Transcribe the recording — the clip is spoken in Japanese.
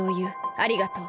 ありがとう。